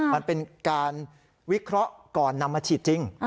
มันเป็นการวิเคราะห์ก่อนนำมาฉีดจริง